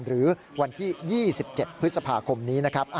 หรือวันที่๒๗พฤษภาคมนี้นะครับ